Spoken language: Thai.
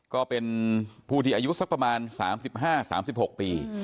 ก็เป็นผู้ที่อายุสักประมาณ๓๕๓๖ปี